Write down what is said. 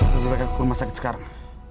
biar gue beritahu rumah sakit sekarang